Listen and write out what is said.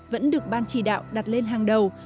vẫn được ban chỉ đạo đặt lên hàng đầu